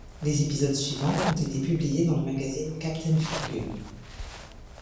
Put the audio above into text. Les épisodes suivants ont été publiés dans le magazine Captain Fulgur.